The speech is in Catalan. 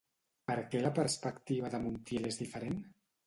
Per què la perspectiva de Montiel és diferent?